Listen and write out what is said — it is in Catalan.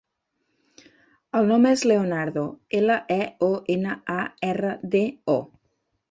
El nom és Leonardo: ela, e, o, ena, a, erra, de, o.